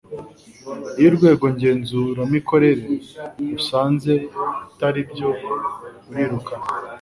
iyo urwego ngenzuramikorere rusanze taribyo urirukanywa